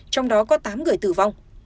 trong đó có tám người tử vong